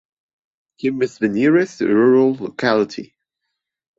Kim is the nearest rural locality.